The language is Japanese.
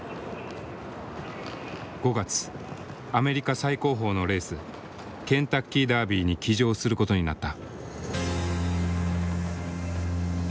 ５月アメリカ最高峰のレースケンタッキーダービーに騎乗することになった。